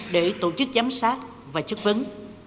để tổ chức giám sát và chức vấn